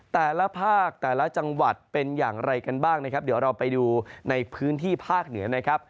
แต่ละภาคแต่ละจังหวัดเป็นอย่างไรกันบ้างนะครับเดี๋ยวเราไปดูในพื้นที่ภาคเหนือนะครับ